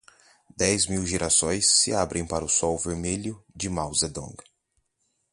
Dez mil girassóis se abrem para o sol vermelho de Mao Zedong